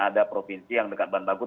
ada provinsi yang dekat bahan bakunya